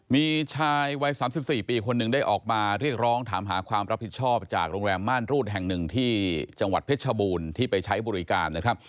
มีชายวัย๓๔ปีคนหนึ่งได้ออกมาเรียกร้องถามหาความรับผิดชอบจากโรงแรมม่านรูดแห่งหนึ่งที่จังหวัดเพชรชบูรณ์ที่ไปใช้บริการนะครับ